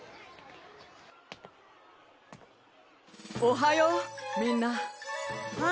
おはようみんな。